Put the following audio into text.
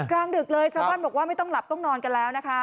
กลางดึกเลยชาวบ้านบอกว่าไม่ต้องหลับต้องนอนกันแล้วนะคะ